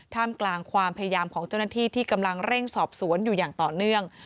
กลางความพยายามของเจ้าหน้าที่ที่กำลังเร่งสอบสวนอยู่อย่างต่อเนื่อง